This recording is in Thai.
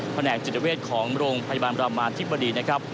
แหนกจิตเวชของโรงพยาบาลรามาธิบดีนะครับ